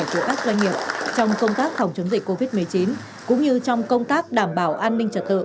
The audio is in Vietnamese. của các doanh nghiệp trong công tác phòng chống dịch covid một mươi chín cũng như trong công tác đảm bảo an ninh trật tự